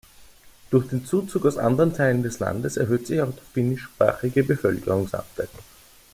Durch den Zuzug aus anderen Teilen des Landes erhöht sich auch der finnischsprachige Bevölkerungsanteil.